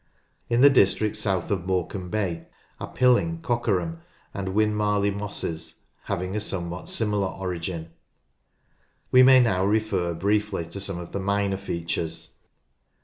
In the district south of Morecambe Bay are Pilling, Cockerham, and Winmarleigh Mosses, having a somewhat similar origin. We may now refer briefly to some of the minor features.